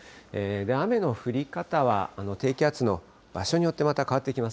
雨の降り方は低気圧の場所によってまた変わってきます。